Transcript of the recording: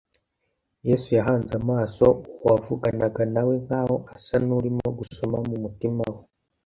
, Yesu yahanze amaso uwo wavuganaga na we, nk’aho asa n’urimo gusoma mu mutima we.